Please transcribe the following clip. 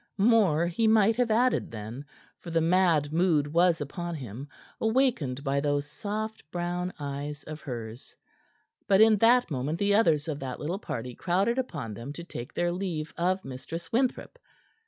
More he might have added then, for the mad mood was upon him, awakened by those soft brown eyes of hers. But in that moment the others of that little party crowded upon them to take their leave of Mistress Winthrop.